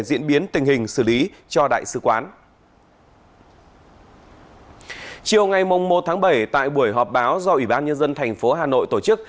điều ngày mông một tháng bảy tại buổi họp báo do ủy ban nhân dân tp hà nội tổ chức